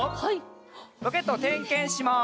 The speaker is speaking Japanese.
ロケットてんけんします。